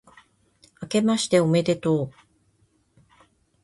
あけましておめでとう、